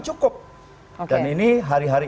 cukup dan ini hari hari